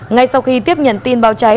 ngay sau khi tiếp nhận tin báo cháy